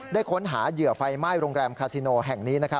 ค้นหาเหยื่อไฟไหม้โรงแรมคาซิโนแห่งนี้